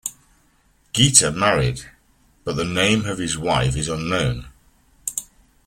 Geta married, but the name of his wife is unknown.